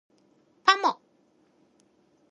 パモ